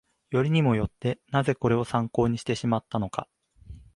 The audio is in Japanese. よりにもよって、なぜこれを参考にしてしまったのか